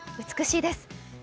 美しいです。